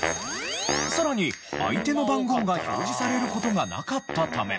さらに相手の番号が表示される事がなかったため。